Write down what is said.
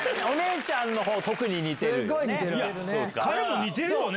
お姉ちゃんのほう特に似てる。